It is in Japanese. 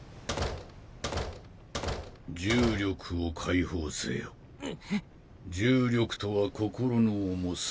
・重力を解放せよ・重力とは心の重さ。